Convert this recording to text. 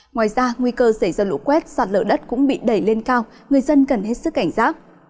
ngoài ra nguy cơ xảy ra lũ quét sạt lở đất cũng bị đẩy lên cao người dân cần hết sức cảnh giác